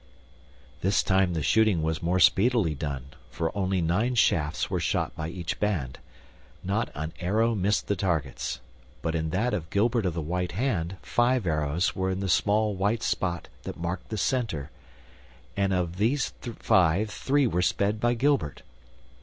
This time the shooting was more speedily done, for only nine shafts were shot by each band. Not an arrow missed the targets, but in that of Gilbert of the White Hand five arrows were in the small white spot that marked the center; of these five three were sped by Gilbert.